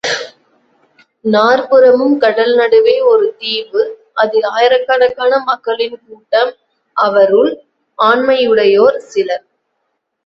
நாற்புறமும் கடல் நடுவே ஒரு தீவு அதில் ஆயிரக்கனக்கான மக்களின் கூட்டம் அவருள் ஆண்மையுடையோர் சிலர்.